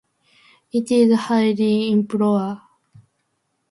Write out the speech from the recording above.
It is highly improper.